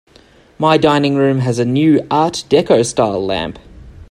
My dining room has a new art deco style lamp.